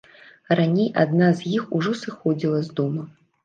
Раней адна з іх ужо сыходзіла з дома.